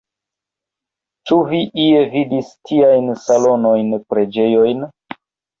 Ĉu vi ie vidis tiajn salonojn, preĝejojn?